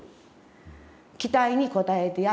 期待に応えてやりたい。